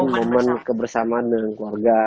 momen kebersamaan dengan keluarga